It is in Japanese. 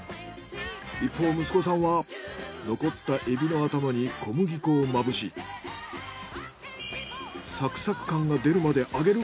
一方息子さんは残ったエビの頭に小麦粉をまぶしサクサク感が出るまで揚げる。